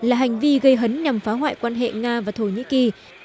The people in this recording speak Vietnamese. là hành vi gây hấn nhằm phá hoại quan hệ nga và thổ nhĩ kỳ